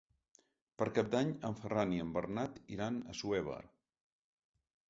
Per Cap d'Any en Ferran i en Bernat iran a Assuévar.